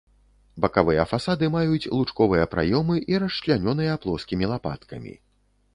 Бакавыя фасады маюць лучковыя праёмы і расчлянёныя плоскімі лапаткамі.